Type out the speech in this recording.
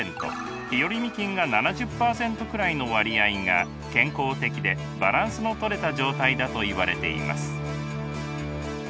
日和見菌が７０％くらいの割合が健康的でバランスのとれた状態だといわれています。